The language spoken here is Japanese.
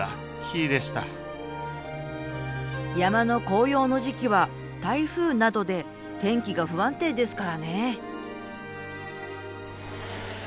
山の紅葉の時期は台風などで天気が不安定ですからね。